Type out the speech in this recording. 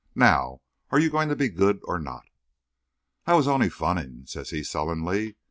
Now, are you going to be good, or not?" "I was only funning," says he sullenly.